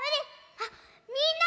あっみんな！